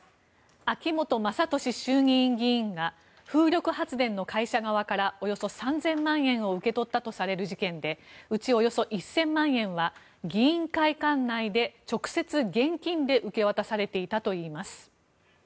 秋本真利衆議院議員が風力発電の会社側からおよそ３０００万円を受け取ったとされる事件でうち、およそ１０００万円は議員会館内で直接、現金で受け渡されていたといいます。